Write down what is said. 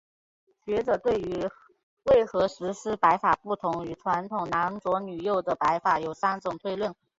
学者对于为何石狮子摆法不同于传统男左女右的摆法有三种推论。